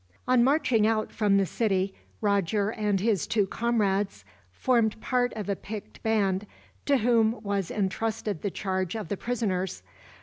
On marching out from the city, Roger and his two comrades formed part of a picked band, to whom was entrusted the charge of the prisoners.